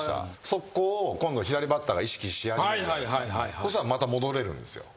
そしたらまた戻れるんですよ。